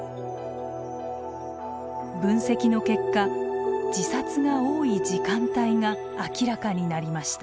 分析の結果自殺が多い時間帯が明らかになりました。